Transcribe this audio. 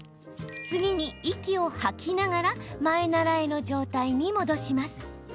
次に、息を吐きながら前ならえの状態に戻します。